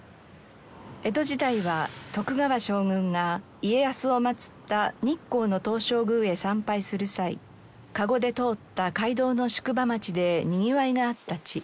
江戸時代は徳川将軍が家康を祭った日光の東照宮へ参拝する際駕籠で通った街道の宿場町でにぎわいがあった地。